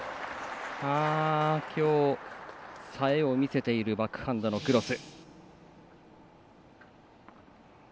今日、さえを見せるバックハンドのクロス。